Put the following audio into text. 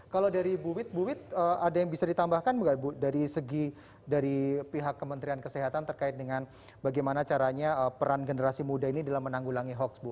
kalau dari bu wit bu wit ada yang bisa ditambahkan nggak bu dari segi dari pihak kementerian kesehatan terkait dengan bagaimana caranya peran generasi muda ini dalam menanggulangi hoax bu